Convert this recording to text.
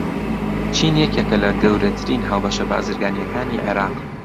چین یەکێکە لە گەورەترین هاوبەشە بازرگانییەکانی عێراق.